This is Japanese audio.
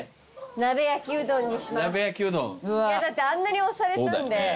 あんなに押されたんで。